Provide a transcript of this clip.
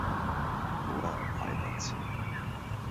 ওরা ভয় পাচ্ছে!